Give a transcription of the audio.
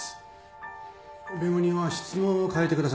弁護人は質問を変えてください。